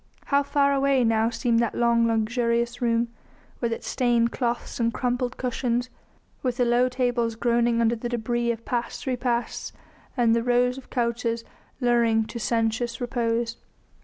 How far away now seemed that long, luxurious room, with its stained cloths and crumpled cushions, with the low tables groaning under the debris of past repasts and the rows of couches luring to sensuous repose.